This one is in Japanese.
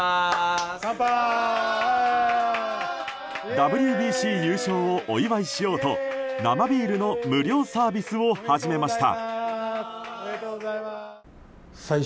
ＷＢＣ優勝をお祝いしようと生ビールの無料サービスを始めました。